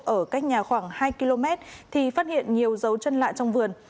ở cách nhà khoảng hai km thì phát hiện nhiều dấu chân lạ trong vườn